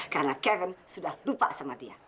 karena kevin sudah lupa sama dia